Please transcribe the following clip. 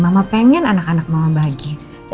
mama pengen anak anak mama bahagia